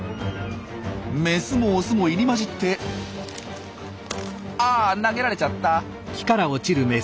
メスもオスも入り交じってあ投げられちゃった。